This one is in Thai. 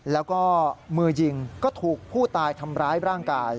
แล้วก็มือยิงก็ถูกผู้ตายทำร้ายร่างกาย